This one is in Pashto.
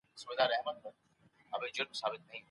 که زده کوونکی انلاین مطالعه دوام ورکړي، پوهه نه کمزورې کېږي.